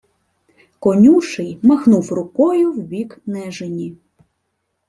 Конюший махнув рукою в бік Нежині.